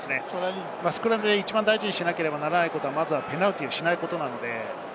スクラムで一番大事にしなければいけないことはペナルティーをしないことです。